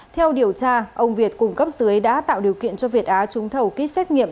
theo điều tra ông việt cùng cấp dưới đã tạo điều kiện cho việt á trúng thầu kýt xét nghiệm